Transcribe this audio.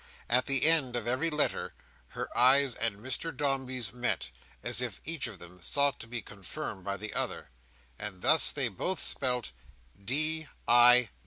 At the end of every letter her eyes and Mr Dombey's met, as if each of them sought to be confirmed by the other; and thus they both spelt D.I.